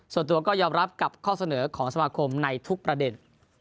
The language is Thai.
ส่วนตัวก็ยอมรับกับข้อเสนอของสมาคมในทุกประเด็น